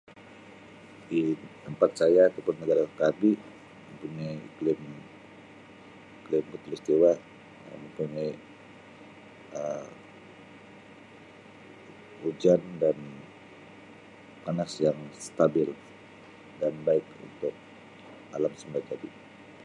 Di tempat saya [unintelligible] mempunyai iklim khatulistiwa mempunyai hujan dan panas yang stabil dan baik untuk alam semula jadi